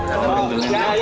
kalau yang beli beli ini